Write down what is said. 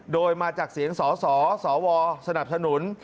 โดยมาจากเสียงสสสวสนับสนุน